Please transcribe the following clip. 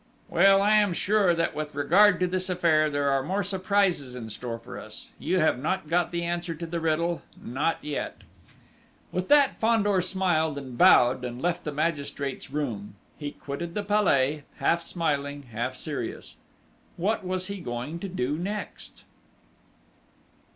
"Well, I am sure, that with regard to this affair, there are more surprises in store for us: you have not got the answer to the riddle not yet!" With that, Fandor smiled and bowed, and left the magistrate's room. He quitted the Palais, half smiling, half serious.... What was he going to do next?